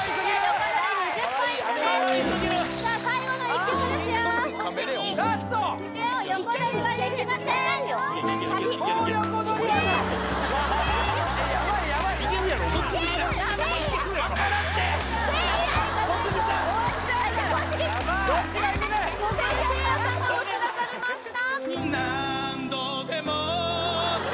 ここでせいやさんが押し出されました